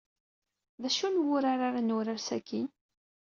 D acu n wurar ara nurar sakkin?